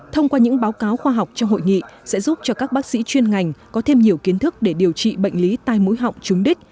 thông qua những báo cáo khoa học trong hội nghị sẽ giúp cho các bác sĩ chuyên ngành có thêm nhiều kiến thức để điều trị bệnh lý tai mũi họng trúng đích